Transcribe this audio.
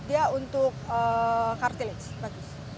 dia untuk cartilage bagus